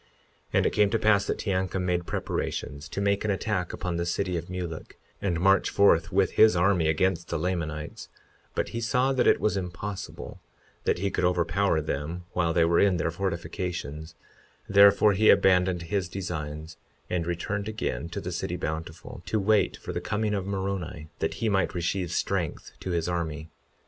52:17 And it came to pass that Teancum made preparations to make an attack upon the city of Mulek, and march forth with his army against the Lamanites; but he saw that it was impossible that he could overpower them while they were in their fortifications; therefore he abandoned his designs and returned again to the city Bountiful, to wait for the coming of Moroni, that he might receive strength to his army.